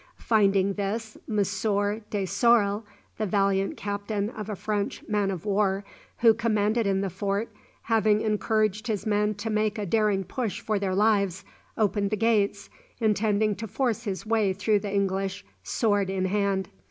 Finding this, Monsieur de Sorel, the valiant captain of a French man of war, who commanded in the fort, having encouraged his men to make a daring push for their lives, opened the gates, intending to force his way through the English, sword in hand.